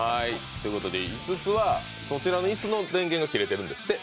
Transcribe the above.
５つはそちらの椅子の電源が切れてるんですって。